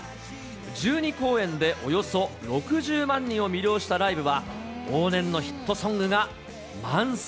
１２公演でおよそ６０万人を魅了したライブは、往年のヒットソングが満載。